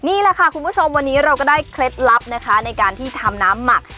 นี่แหละค่ะคุณผู้ชมวันนี้เราก็ได้เคล็ดลับนะคะในการที่ทำน้ำหมัก